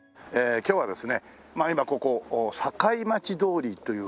今日ですね